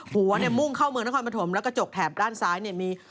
หัวเนี่ยมุ่งเข้าเมืองนครปฐมแล้วกระจกแถบด้านซ้ายเนี่ยมี